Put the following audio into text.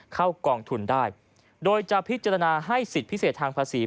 กองทุนได้โดยจะพิจารณาให้สิทธิ์พิเศษทางภาษี